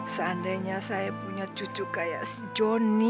seandainya saya punya cucu kayak si joni